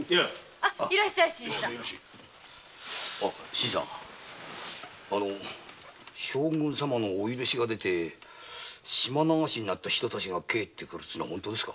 新さん将軍様のお許しがでて島流しになった人たちが帰って来るってのは本当ですか？